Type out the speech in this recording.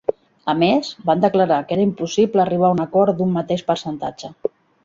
A més, van declarar que era impossible arribar a un acord d'un mateix percentatge.